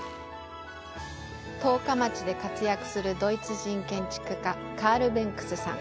十日町で活躍するドイツ人建築家、カール・ベンクスさん。